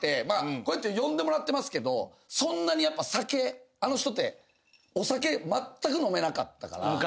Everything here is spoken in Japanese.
まあこうやって呼んでもらってますけどそんなに酒あの人ってお酒まったく飲めなかったから。